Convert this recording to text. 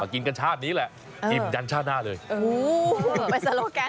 อ๋อมากินกันชาตินี้แหละอืมยันชาติหน้าเลยอู๋เป็นสโลแกนของร้าน